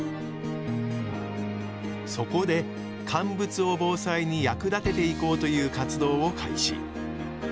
そこで乾物を防災に役立てていこうという活動を開始。